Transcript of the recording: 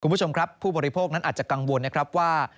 คุณผู้ชมครับผู้บริโภคนั้นอาจจะกังวลนะครับว่า